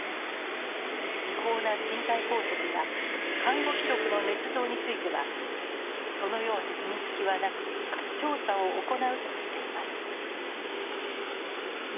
違法な身体拘束や看護記録のねつ造についてはそのような認識はなく調査を行うとしています。